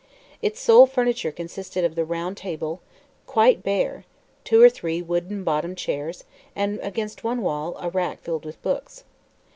Its sole furniture consisted of the round table, quite bare, two or three wooden bottomed chairs, and against one wall a rack filled with books.